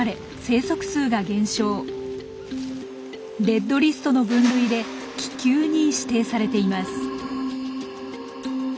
レッドリストの分類で「危急」に指定されています。